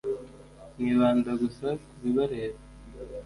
mwibanda gusa ku bibareba